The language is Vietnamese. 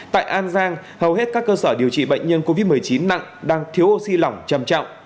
tại an giang hầu hết các cơ sở điều trị bệnh nhân covid một mươi chín nặng đang thiếu oxy lỏng trầm trọng